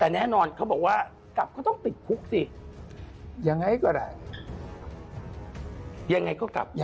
อยู่ดีอยากจะกลับบ้านไปตรงนี้ขึ้นมาเพราะว่า